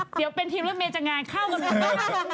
เดี๋ยวเป็นทีมรถเมย์จะงานข้าวละคุณค่ะ